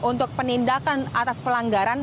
untuk penindakan atas pelanggaran